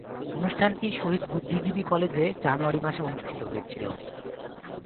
অনুষ্ঠানটি শহীদ বুদ্ধিজীবী কলেজে জানুয়ারি মাসে অনুষ্ঠিত হয়েছিলো।